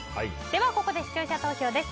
ここで視聴者投票です。